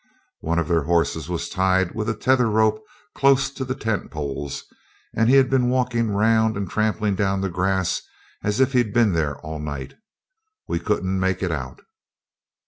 One of their horses was tied with a tether rope close to the tent poles, and he'd been walking round and trampling down the grass, as if he'd been there all night. We couldn't make it out.